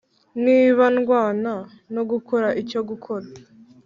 niba ndwana no gukora icyo gukora,